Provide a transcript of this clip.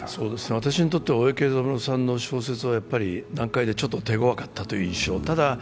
私にとっては大江健三郎さんの小説は難解でちょっと手強かったという印象。